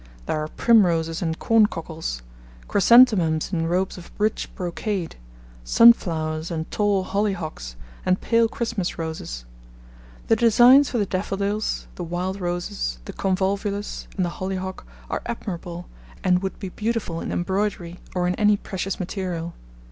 There are Primroses and Corncockles, Chrysanthemums in robes of rich brocade, Sunflowers and tall Hollyhocks, and pale Christmas Roses. The designs for the Daffodils, the wild Roses, the Convolvulus, and the Hollyhock are admirable, and would be beautiful in embroidery or in any precious material.